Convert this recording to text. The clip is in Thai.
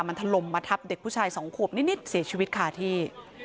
มันถล่มมาทับเด็กผู้ชายสองขวบนิดเสียชีวิตคาที่